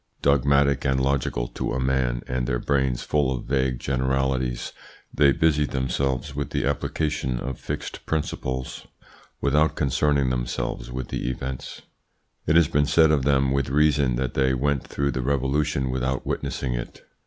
Dogmatic and logical to a man, and their brains full of vague generalities, they busied themselves with the application of fixed principles without concerning themselves with events. It has been said of them, with reason, that they went through the Revolution without witnessing it.